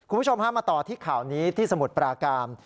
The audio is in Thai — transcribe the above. คุณผู้ชมฮะมาต่อที่ข่าวนี้ที่สมุทรปราการ